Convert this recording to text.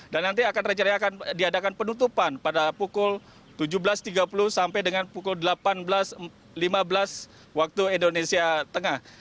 dan nanti akan rencananya diadakan penutupan pada pukul tujuh belas tiga puluh sampai dengan pukul delapan belas lima belas waktu indonesia tengah